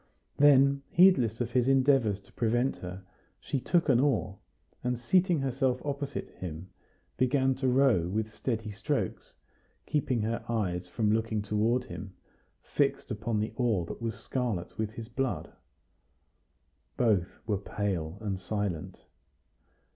Then, heedless of his endeavors to prevent her, she took an oar, and, seating herself opposite him, began to row with steady strokes, keeping her eyes from looking toward him fixed upon the oar that was scarlet with his blood. Both were pale and silent.